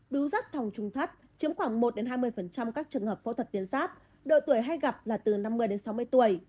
bíu rác thòng trung thắt chiếm khoảng một hai mươi các trường hợp phẫu thuật tiến sáp độ tuổi hay gặp là từ năm mươi sáu mươi tuổi